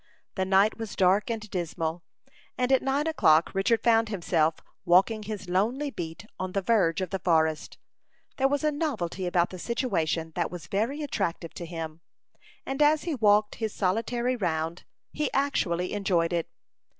The night was dark and dismal, and at nine o'clock Richard found himself walking his lonely beat, on the verge of the forest. There was a novelty about the situation that was very attractive to him, and as he walked his solitary round, he actually enjoyed it.